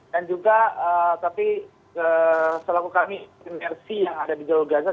dan juga tapi selaku kami inersi yang ada di jalur gaza